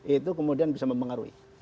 itu kemudian bisa mempengaruhi